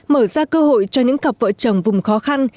mở ra cơ hội cho những cặp vợ chồng vùng khó khăn